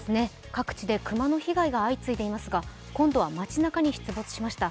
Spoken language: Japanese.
各地で熊の被害が相次いでいますが今度は街なかに出没しました。